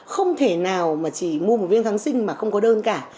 không thể nào mà chỉ mua một viên giáng sinh mà không có đơn cả